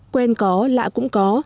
quen có lạ cũng có